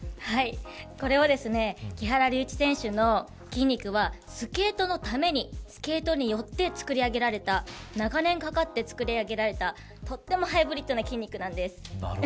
これは木原龍一選手の筋肉はスケートのためにスケートによって作り上げられた長年かかって作り上げられたとてもハイブリッドな筋肉なんです。